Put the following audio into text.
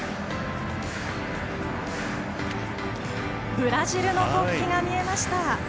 ブラジルの国旗が見えました。